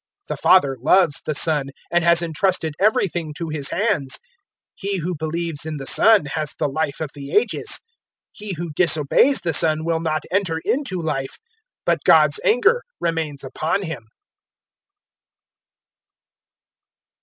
003:035 The Father loves the Son and has entrusted everything to His hands. 003:036 He who believes in the Son has the Life of the Ages; he who disobeys the Son will not enter into Life, but God's anger remains upon him.